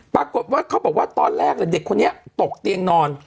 ปรากฏว่าเขาบอกว่าตอนแรกเลยเด็กคนนี้ตกเตียงนอน